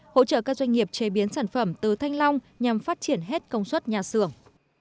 hỗ trợ các doanh nghiệp chế biến sản phẩm từ thanh long nhằm phát triển hết công suất nhà xưởng